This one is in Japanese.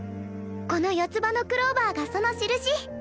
この四つ葉のクローバーがその印